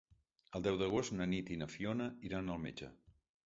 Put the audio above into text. El deu d'agost na Nit i na Fiona iran al metge.